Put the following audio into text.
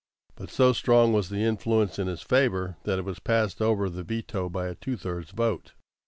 But so strong was the influence in its favor that it was passed over the veto by a two thirds vote.